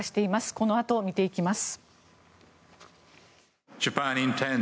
このあと見ていきます。